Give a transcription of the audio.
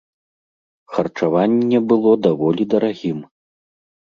Харчаванне было даволі дарагім.